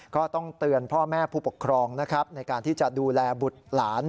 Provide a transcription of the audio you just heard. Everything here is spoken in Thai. ก็ต้องเตือนพ่อแม่ผู้ปกครองนะครับในการที่จะดูแลบุตรหลาน